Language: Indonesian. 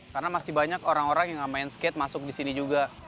karena masih banyak orang orang yang gak main skate masuk disini juga